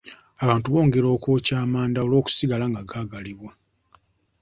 Abantu bongera okwokya amanda olw'okusigala nga gaagalibwa.